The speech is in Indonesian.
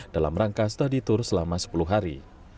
dalam rangka study tour selama sepuluh hari